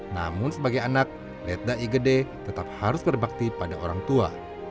namun sebagai anak letda igede tetap harus berbakti pada orang tua